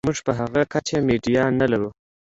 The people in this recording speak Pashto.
موږ په هغه کچه میډیا نلرو.